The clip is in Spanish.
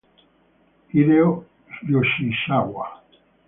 Hideo Yoshizawa